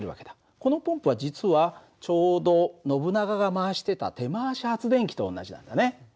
このポンプは実はちょうどノブナガが回してた手回し発電機と同じなんだね。